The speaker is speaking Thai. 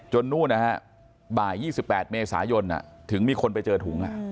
จนนู่นนะฮะบ่ายยี่สิบแปดเมษายนถึงมีคนไปเจอถุง